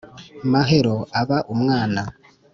Mahero aba umwana